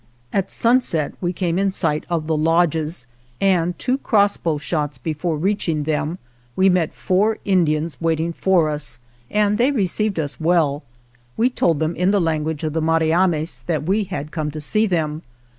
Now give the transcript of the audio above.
At sunset we came in sight of the lodges, and two crossbow shots before reaching them met four Indians waiting for us, and they received us well. We told them in the language of the Mariames that we had come to see them.